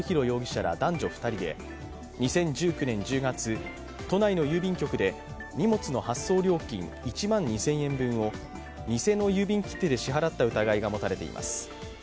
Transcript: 容疑者ら男女２人で２０１９年１０月、都内の郵便局で荷物の発送料金１万２０００円分を偽の郵便切手で支払った疑いが持たれています。